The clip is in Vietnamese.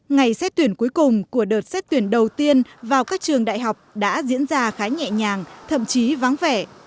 ngày xét tuyển cuối cùng của đợt xét tuyển đầu tiên vào các trường đại học đã diễn ra khá nhẹ nhàng thậm chí vắng vẻ